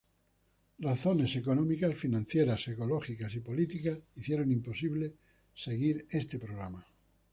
Razones económicas, financieras, ecológicas y políticas hicieron imposible seguir ese programa.